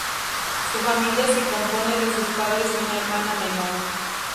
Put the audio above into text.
Su familia se compone de sus padres y una hermana menor.